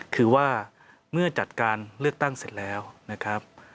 คือว่าเมื่อจัดการเลือกตั้งเสร็จแล้วนะครับ